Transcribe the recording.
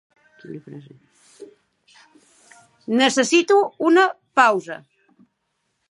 Necessito una pausa.